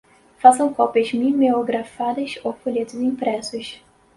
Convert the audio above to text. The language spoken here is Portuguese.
façam cópias mimeografadas ou folhetos impressos